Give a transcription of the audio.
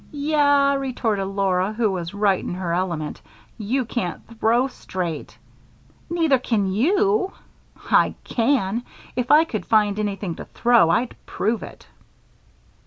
"Yah," retorted Laura, who was right in her element, "you can't throw straight." "Neither can you." "I can! If I could find anything to throw I'd prove it."